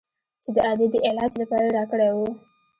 چې د ادې د علاج لپاره يې راكړى و.